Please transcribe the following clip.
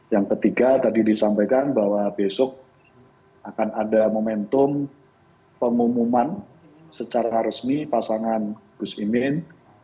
yang ketiga tadi disampaikan bahwa besok akan ada momentum pengumuman secara resmi pasangan gus imin